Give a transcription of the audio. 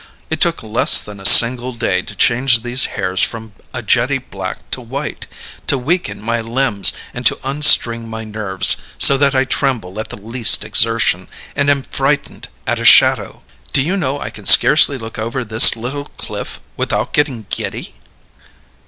It took less than a single day to change these hairs from a jetty black to white, to weaken my limbs, and to un string my nerves so that I tremble at the least exertion and am frightened at a shadow. Do you know I can scarcely look over this little cliff without getting giddy?"